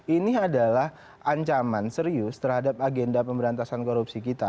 ini adalah ancaman serius terhadap agenda pemberantasan korupsi kita